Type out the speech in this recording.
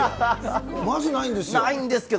まずないんですよ。